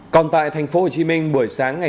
còn tại tp hcm buổi sáng ngày bốn tháng